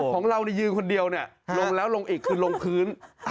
ของเรายืนคนเดียวเนี่ยลงแล้วลงอีกคือลงพื้น